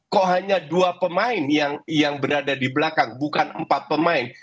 kok hanya dua pemain yang berada di belakang bukan empat pemain